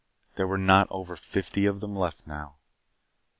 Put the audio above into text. There were not over fifty of them left now.